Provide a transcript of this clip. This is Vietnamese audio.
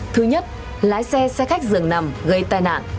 thứ nhất lái xe xe khách dường nằm gây tai nạn